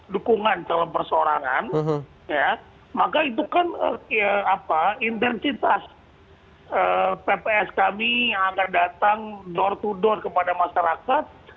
dukungan dalam persoorangan ya maka itu kan intensitas pps kami yang akan datang door to door kepada masyarakat